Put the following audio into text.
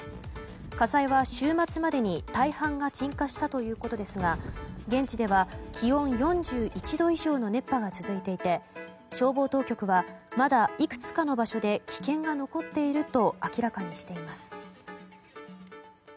火災は週末までに大半が鎮火したということですが現地では気温４１度以上の熱波が続いていて消防当局はまだいくつかの場所で危険が残っていると明らかにしています。